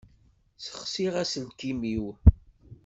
Ssexsiɣ aselkim-iw.